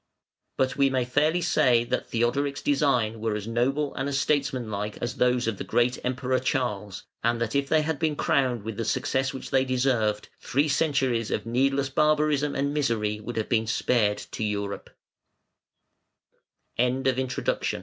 But we may fairly say that Theodoric's designs were as noble and as statesmanlike as those of the great Emperor Charles, and that if they had been crowned with the success which they deserved, three centuries of needless barbarism and misery would have been spared to Eur